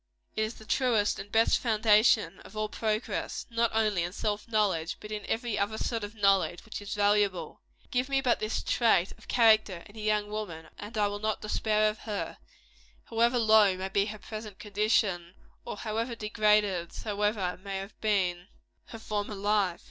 It is the truest and best foundation of all progress, not only in self knowledge, but in every other sort of knowledge which is valuable. Give me but this trait of character in a young woman, and I will not despair of her, however low may be her present condition, or how degraded soever may have been her former life.